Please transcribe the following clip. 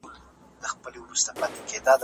څه ډول لنډ تمرینونه د کار پر مهال انرژي راولي؟